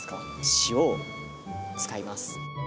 塩を使います。